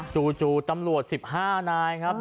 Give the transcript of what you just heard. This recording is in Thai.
จู่ตำรวจ๑๕นายครับ